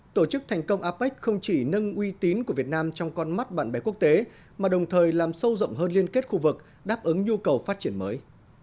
tổ chức thành công apec không chỉ nâng uy tín của việt nam trong con mắt bạn bè quốc tế mà đồng thời làm sâu rộng hơn liên kết khu vực đáp ứng nhu cầu phát triển mới